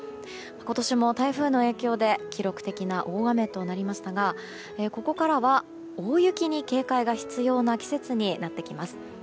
今年も台風の影響で記録的な大雨となりましたがここからは大雪に警戒が必要な季節になってきます。